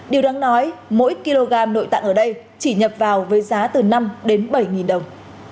điều đáng nói mỗi kg nội tạng ở đây chỉ nhập vào với giá từ năm đến bảy đồng